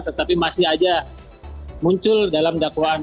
tetapi masih aja muncul dalam dakwaan